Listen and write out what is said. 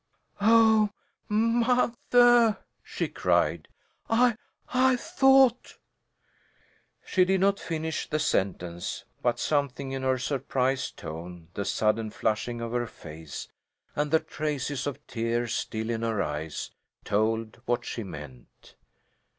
"Oh, mothah!" she cried. "I I thought " She did not finish the sentence, but something in her surprised tone, the sudden flushing of her face, and the traces of tears still in her eyes, told what she meant.